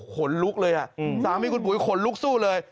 ขนลุกเลยอ่ะสามีคุณปุ๋ยขนลุกสู้เลย